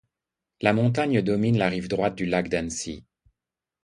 La montagne domine la rive droite du lac d'Annecy.